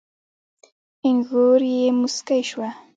اينږور يې موسکۍ شوه.